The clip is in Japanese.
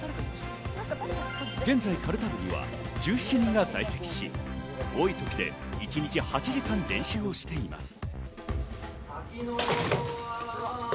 現在かるた部は１７人が在籍し、多いときで一日８時間、練習しています。